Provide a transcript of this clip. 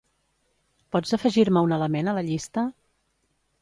Pots afegir-me un element a la llista?